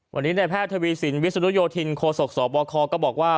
วันนี้ในแพทย์ทวีสินวิศนุโยธินโคศกสบคก็บอกว่า